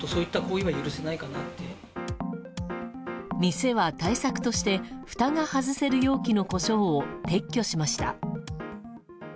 店は、対策としてふたが外せる容器のコショウを撤去しました。